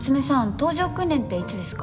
搭乗訓練っていつですか？